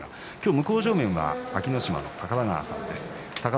向正面、安芸乃島の高田川さんです。